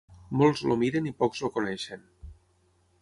Molts el miren i pocs el coneixen.